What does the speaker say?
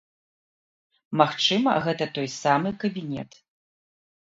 Магчыма, гэта той самы кабінет.